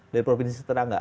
dari provinsi setenang